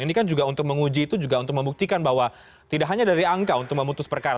ini kan juga untuk menguji itu juga untuk membuktikan bahwa tidak hanya dari angka untuk memutus perkara